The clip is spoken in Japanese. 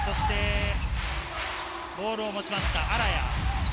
ボールを持ちます荒谷。